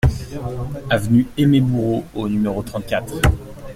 Avenue Aimé Bourreau au numéro trente-quatre